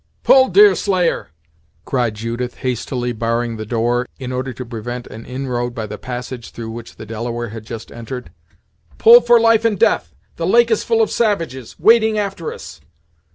"Pull, Deerslayer," cried Judith, hastily barring the door, in order to prevent an inroad by the passage through which the Delaware had just entered; "pull, for life and death the lake is full of savages, wading after us!"